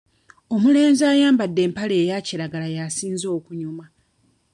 Omulenzi ayambadde empale eya kiragala y'asinze okunyuma.